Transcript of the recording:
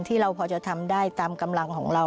ที่เราพอจะทำได้ตามกำลังของเรา